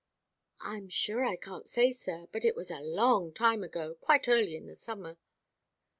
"I'm sure I can't say, sir; but it was a long time ago quite early in the summer."